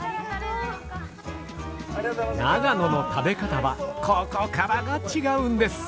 長野の食べ方はここからが違うんです。